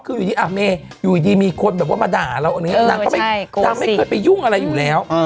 คืออยู่ดีอ่ะเมย์อยู่ดีมีคนแบบว่ามาด่าเราอะไรอย่างนี้นางก็นางไม่เคยไปยุ่งอะไรอยู่แล้ว